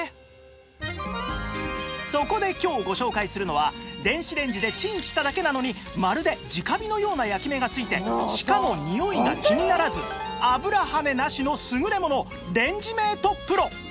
そこで今日ご紹介するのは電子レンジでチンしただけなのにまるで直火のような焼き目がついてしかもにおいが気にならず油はねなしの優れものレンジメート ＰＲＯ